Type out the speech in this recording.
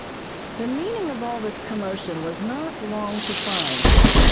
The meaning of all this commotion was not long to find.